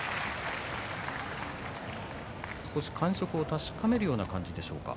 少し感触を確かめるような感じでしょうか。